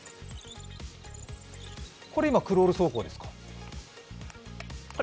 これ今、クロール走行ですか。